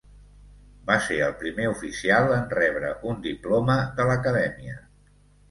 Va ser el primer oficial en rebre un diploma de l'acadèmia.